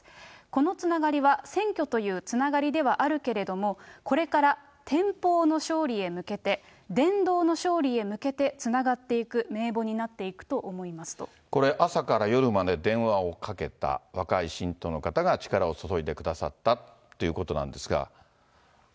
このつながりは選挙というつながりではあるけれども、これから天寶の勝利へ向けて、伝道の勝利へ向けて、つながっていこれ、朝から夜まで電話をかけた、若い信徒の方が力を注いでくださったっていうことなんですが。